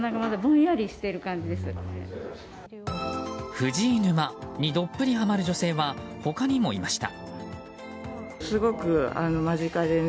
藤井沼にどっぷりはまる女性は他にもいました。